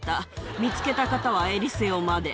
見つけた方はエリセオまで。